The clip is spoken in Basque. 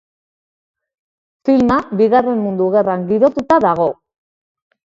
Filma Bigarren Mundu Gerran girotuta dago.